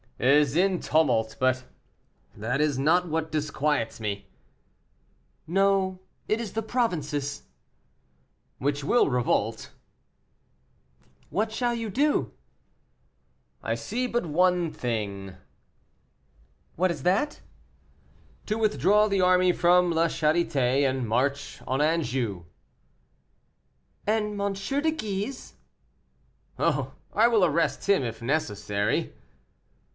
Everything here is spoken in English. "Is in tumult; but that is not what disquiets me." "No, it is the provinces." "Which will revolt." "What shall you do?" "I see but one thing." "What is that?" "To withdraw the army from La Charité, and march on Anjou." "And M. de Guise?" "Oh, I will arrest him if necessary."